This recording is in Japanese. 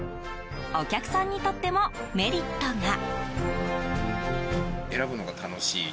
お客さんにとってもメリットが。